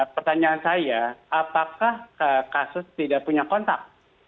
pertanyaan saya apakah kasus tidak punya kontak